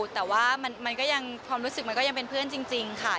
แต่ว่าความรู้สึกก็ยังเป็นเพื่อนจริงค่ะ